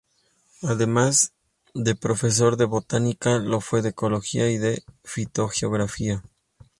Además de profesor de botánica, lo fue de ecología, y de fitogeografía.